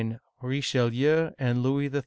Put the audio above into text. RICHELIEU AND LOUIS XIII.